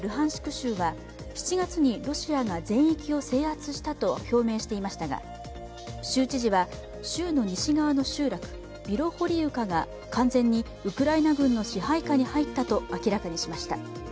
州は７月にロシアが全域を制圧したと表明していましたが、州知事は、州の西側の集落ビロホリウカが完全にウクライナ軍の支配下に入ったと明らかにしました。